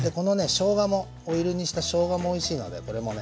しょうがもオイル煮したしょうがもおいしいのでこれもね